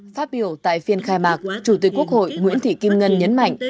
phát biểu tại phiên khai mạc chủ tịch quốc hội nguyễn thị kim ngân nhấn mạnh